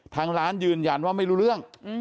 ทางร้านยืนยันว่าไม่รู้เรื่อง